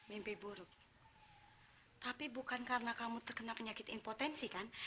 mimpi buruk tapi bukan karena kamu terkena penyakit inpotensi kan